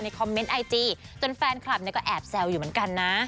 คอมเมนต์ไอจีจนแฟนคลับเนี่ยก็แอบแซวอยู่เหมือนกันนะ